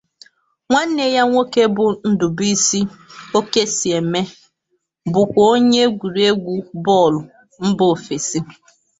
Nwanne ya nwoke bụ Ndubuisi Okosieme bụkwa onye egwuregwu bọọlụ mba ofesi.